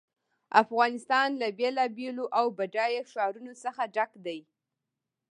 افغانستان له بېلابېلو او بډایه ښارونو څخه ډک دی.